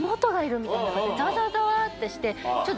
ザワザワザワってしてちょっと。